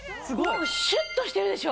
しゅっとしてるでしょ？